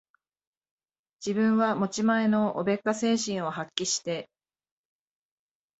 自分は持ち前のおべっか精神を発揮して、